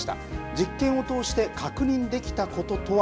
実験を通して確認できたこととは。